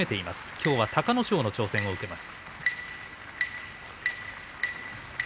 きょうは隆の勝の挑戦を受けます。